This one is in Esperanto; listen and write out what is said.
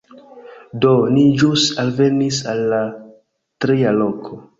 Do, ni ĵus alvenis al la tria loko